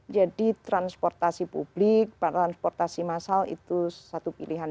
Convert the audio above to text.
jadi transportasi publik transportasi massal itu satu pilihan